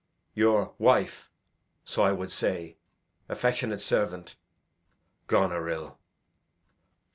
'Your (wife, so I would say) affectionate servant, 'Goneril.'